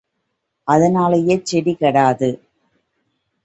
அதனாலே செடி கெடாது.